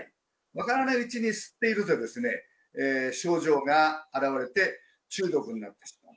分からないうちに吸っているとですね、症状が現れて、中毒になってしまう。